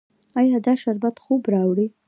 ایا دا شربت خوب راوړي؟